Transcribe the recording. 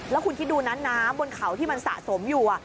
แล้วคุณคิดดูนะน้ำบนเขาที่มันสะสมอยู่